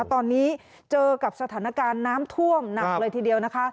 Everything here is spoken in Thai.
ตอนนี้เจอกับสถานการณ์น้ำท่วมหนักเลยทีเดียวนะคะ